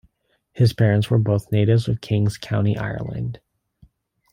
His parents were both natives of King's County, Ireland.